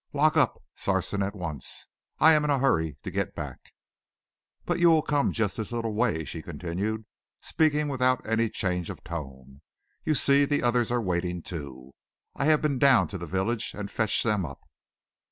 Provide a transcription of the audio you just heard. Lock up, Sarson, at once; I am in a hurry to get back." "But you will come just this little way," she continued, speaking without any change of tone. "You see, the others are waiting, too. I have been down to the village and fetched them up."